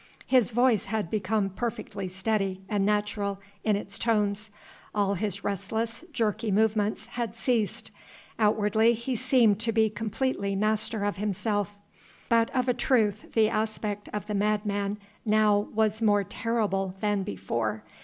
His voice had become perfectly steady and natural in its tones; all his restless, jerky movements had ceased. Outwardly he seemed to be completely master of himself. But of a truth the aspect of the madman now was more terrible than before.